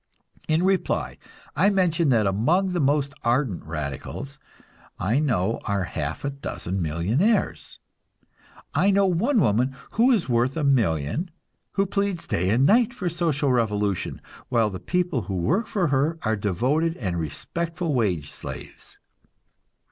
In reply I mention that among the most ardent radicals I know are half a dozen millionaires; I know one woman who is worth a million, who pleads day and night for social revolution, while the people who work for her are devoted and respectful wage slaves.